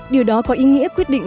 điều đó có ý nghĩa quyết định